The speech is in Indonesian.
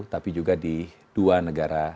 tapi juga di dua negara